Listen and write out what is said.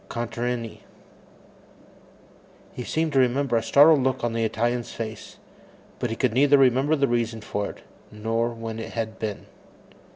Contarini. He seemed to remember a startled look on the Italian's face, but he could neither remember the reason for it nor when it had been.